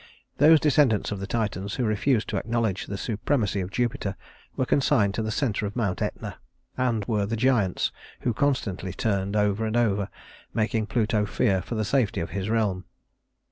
Those descendants of the Titans who refused to acknowledge the supremacy of Jupiter were consigned to the center of Mount Etna, and were the giants who constantly turned over and over, making Pluto fear for the safety of his realm.